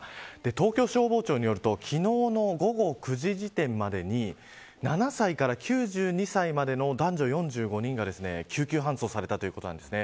東京消防庁によると昨日の午後９時時点までに７歳から９２歳までの男女４５人が救急搬送されたということなんですね。